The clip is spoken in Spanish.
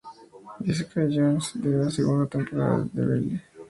Jessica Jones y de la segunda temporada de Daredevil.